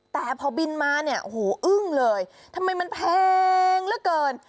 แต่พอบินมาเนี่ยโอ้โหอึ้งเลยทำไมมันแพงเหลือเกิน